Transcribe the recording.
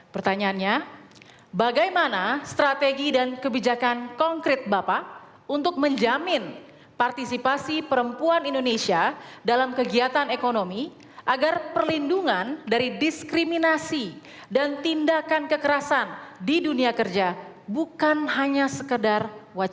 pertanyaannya bagaimana strategi dan kebijakan konkret bapak untuk menjamin partisipasi perempuan indonesia dalam kegiatan ekonomi agar perlindungan dari diskriminasi dan tindakan kekerasan di dunia kerja bukan hanya sekedar wajib